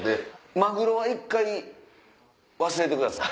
マグロは一回忘れてください。